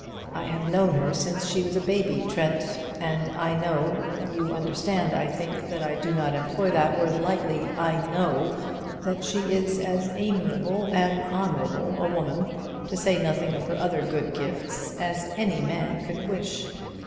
I have known her since she was a baby, Trent, and I know you understand, I think, that I do not employ that word lightly I know that she is as amiable and honorable a woman, to say nothing of her other good gifts, as any man could wish.